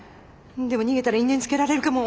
でも逃げたら因縁つけられるかも。